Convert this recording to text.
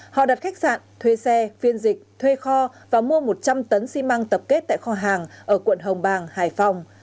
họ đặt khách sạn thuê xe phiên dịch thuê kho và mua một trăm linh tấn xi măng tập kết tại kho hàng ở quận hồng bàng hải phòng